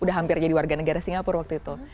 udah hampir jadi warga negara singapura waktu itu